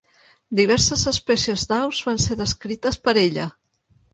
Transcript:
Diverses espècies d'aus van ser descrites per ella.